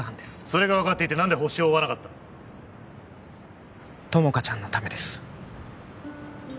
それが分かっていて何でホシを追わなかった友果ちゃんのためです